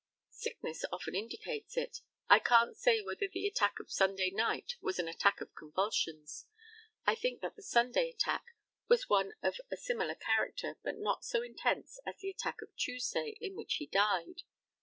Sickness often indicates it. I can't say whether the attack of Sunday night was an attack of convulsions. I think that the Sunday attack was one of a similar character, but not so intense, as the attack of Tuesday, in which he died.